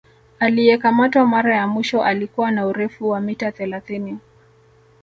Aliyekamatwa mara ya mwisho alikuwa na urefu wa mita thelathini